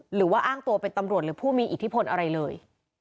หรือว่าอ้างตัวเป็นตำรวจหรือผู้มีอิทธิพลอะไรเลย